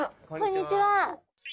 こんにちは。